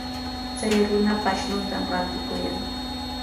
Chay runaqa akshutami rantikuykan.